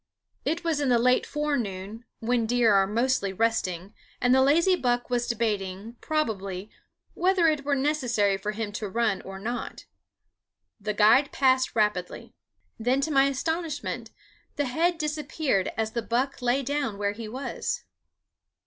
It was in the late forenoon, when deer are mostly resting, and the lazy buck was debating, probably, whether it were necessary for him to run or not. The guide passed rapidly; then to my astonishment the head disappeared as the buck lay down where he was.